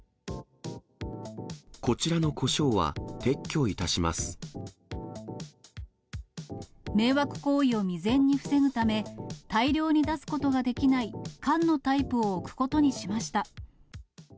こちらのこしょうは撤去いた迷惑行為を未然に防ぐため、大量に出すことができない缶のタイプを置くことにしました。